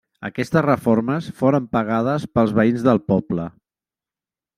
Aquestes reformes foren pagades pels veïns del poble.